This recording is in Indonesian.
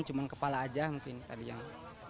cuman kepala aja mungkin tadi yang